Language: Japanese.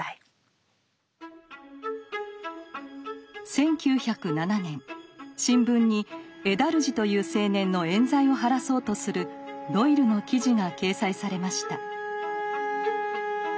１９０７年新聞にエダルジという青年の冤罪を晴らそうとするドイルの記事が掲載されました。